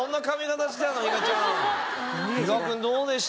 比嘉君どうでした？